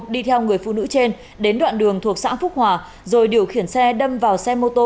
đi theo người phụ nữ trên đến đoạn đường thuộc xã phúc hòa rồi điều khiển xe đâm vào xe mô tô